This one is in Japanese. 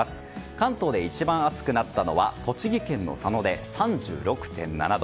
関東で一番暑くなったのは栃木県の佐野で３６．７度。